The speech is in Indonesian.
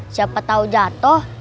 siapa tau jatoh